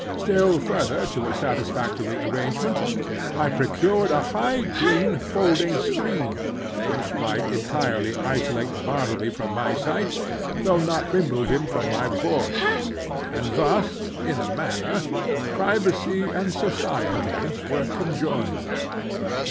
Still further to a satisfactory arrangement, I procured a high green folding screen, which might entirely isolate Bartleby from my sight, though not remove him from my voice. And thus, in a manner, privacy and society were conjoined.